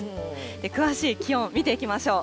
詳しい気温、見ていきましょう。